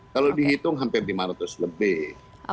kalau dihitung hampir lima ratus lebih